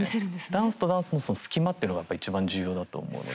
ダンスとダンスのその隙間っていうのがやっぱり一番重要だと思うので。